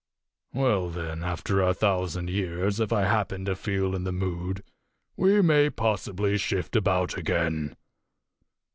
Well, then, after a thousand years, if I happen to feel in the mood, we may possibly shift about again.